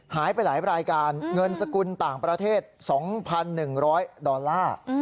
หายไปหลายรายการเงินสกุลต่างประเทศ๒๑๐๐ดอลลาร์